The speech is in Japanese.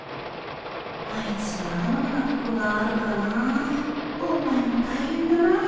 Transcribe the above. あいつわがままなところがあるからなお前も大変だな。